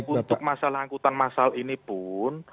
untuk masalah angkutan masal ini pun